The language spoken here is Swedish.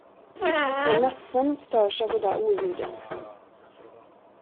Vår nattsömn störs av det där oljudet!